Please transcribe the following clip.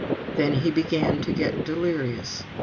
Then he began to get delirious.